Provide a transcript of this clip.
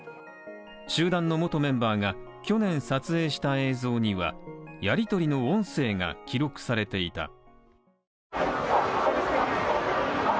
集団の元メンバーが去年撮影した映像には、やりとりの音声が記録されていた。